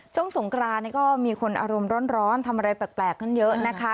สงกรานนี่ก็มีคนอารมณ์ร้อนทำอะไรแปลกกันเยอะนะคะ